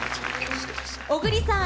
小栗さん